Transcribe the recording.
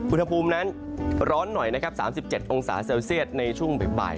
อุณหภูมินั้นร้อนหน่อยนะครับ๓๗องศาเซลเซียตในช่วงบ่าย